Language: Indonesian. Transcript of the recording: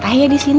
samean ya di sini